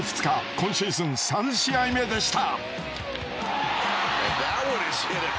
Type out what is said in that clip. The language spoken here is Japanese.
今シーズン３試合目でした。